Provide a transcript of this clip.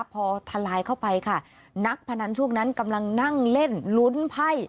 พอทลายเข้าไปค่ะนักพนันช่วงนั้นกำลังนั่งเล่นลุ้นไพ่